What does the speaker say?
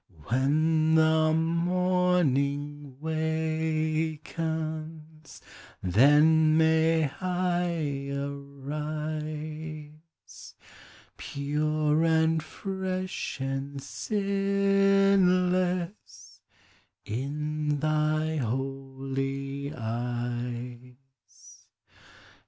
When the morning wakens, Then mav 1 arise Pure and fresh and sinless In thy holy eyes.